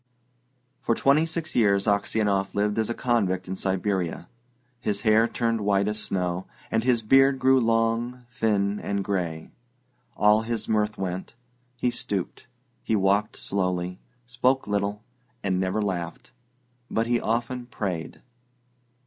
For twenty six years Aksionov lived as a convict in Siberia. His hair turned white as snow, and his beard grew long, thin, and grey. All his mirth went; he stooped; he walked slowly, spoke little, and never laughed, but he often prayed.